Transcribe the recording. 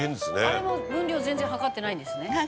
「あれも分量全然量ってないんですね」